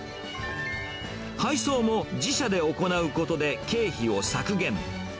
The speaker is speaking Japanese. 配送も自社で行うことで経費を削減。